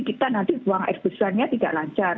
kita nanti buang air besarnya tidak lancar